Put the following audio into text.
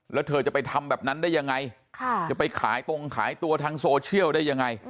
แล้วเธอจะไปทำแบบนั้นได้ยังไงจะไปขายตรงขายตัวทางโซเชียลได้ยังไง